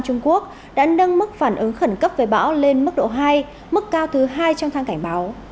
trung quốc đã nâng mức phản ứng khẩn cấp về bão lên mức độ hai mức cao thứ hai trong thang cảnh báo